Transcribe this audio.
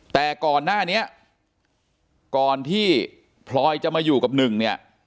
แต่ก่อนหน้านี้ก่อนที่พลอยจะมาอยู่กับหนึ่งเนี่ย